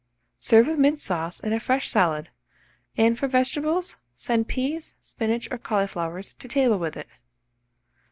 Serve with mint sauce and a fresh salad, and for vegetables send peas, spinach, or cauliflowers to table with it.